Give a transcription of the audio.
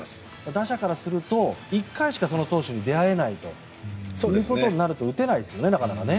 打者からすると１回しかその投手に出会えないということになると打てないですよね、なかなかね。